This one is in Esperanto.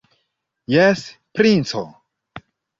Jes, princo!